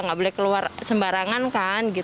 nggak boleh keluar sembarangan kan